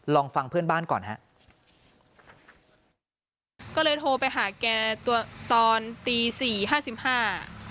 ลองฟังเพื่อนบ้านก่อนฮะก็เลยโทรไปหาแกตัวตอนตีสี่ห้าสิบห้า